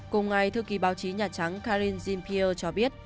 cùng ngày thư kỳ báo chí nhà trắng karin zimpier cho biết